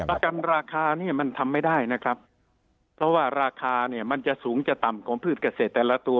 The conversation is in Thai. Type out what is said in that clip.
ประกันราคาเนี่ยมันทำไม่ได้นะครับเพราะว่าราคาเนี่ยมันจะสูงจะต่ำของพืชเกษตรแต่ละตัว